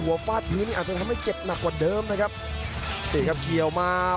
ฟาดพื้นนี่อาจจะทำให้เจ็บหนักกว่าเดิมนะครับนี่ครับเกี่ยวมา